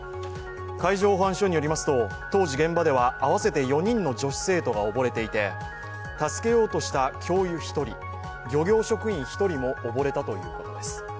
海上保安署によりますと、当時現場では合わせて４人の女子生徒が溺れていて助けようとした教諭１人、漁業職員１人も溺れたということです。